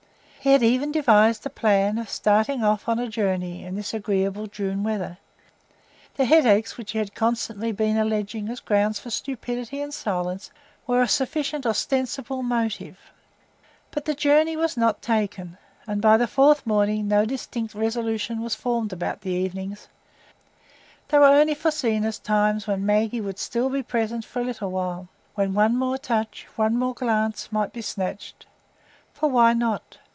He had even devised a plan of starting off on a journey in this agreeable June weather; the headaches which he had constantly been alleging as a ground for stupidity and silence were a sufficient ostensible motive. But the journey was not taken, and by the fourth morning no distinct resolution was formed about the evenings; they were only foreseen as times when Maggie would still be present for a little while,—when one more touch, one more glance, might be snatched. For why not?